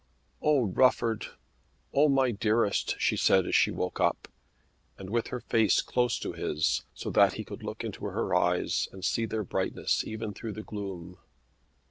"Oh, Rufford; oh, my dearest," she said as she woke up, and with her face close to his, so that he could look into her eyes and see their brightness even through the gloom.